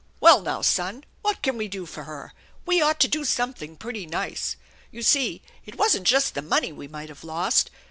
Well, now, son, what can we do for her? We ought to do something pretty nice. You see it wasn't just the money we might have lost.